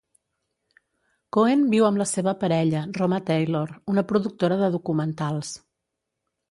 Cohen viu amb la seva parella Roma Taylor, una productora de documentals.